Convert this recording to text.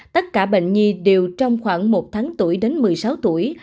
tất cả bệnh nhi đều trong khoảng một tháng tuổi đến một mươi sáu tuổi